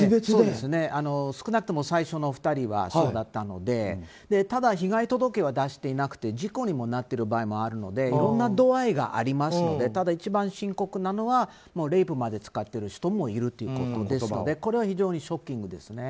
少なくとも最初の２人はそうだったのでただ、被害届は出していなくて時効になっている場合もあるのでいろんな度合いがありますので多分一番深刻なのはレイプまで使っている人もいるということなのでこれは非常にショッキングですね。